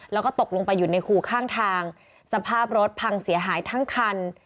แล้วก็ตกลงไปอยู่ในคู่ข้างทางสภาพรถพังเสียหายทั้งคัน